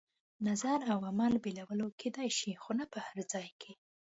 نظر او عمل بېلولو کېدای شي، خو نه په هر ځای کې.